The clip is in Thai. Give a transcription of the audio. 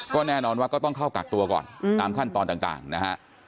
ก็แน่นอนว่าก็ต้องเข้ากักตัวก่อนตามขั้นตอนต่างนะฮะ